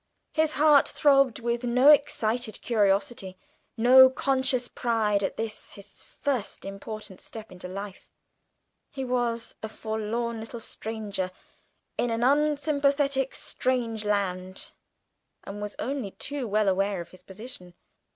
His heart throbbed with no excited curiosity, no conscious pride, at this his first important step in life; he was a forlorn little stranger, in an unsympathetic strange land, and was only too well aware of his position.